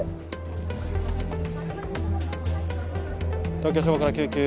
東京消防から救急。